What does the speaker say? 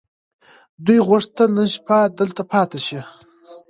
دوی غوښتل نن شپه دلته پاتې شي.